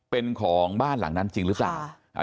เป็นของบ้านหลังนั้นจริงหรือเปล่า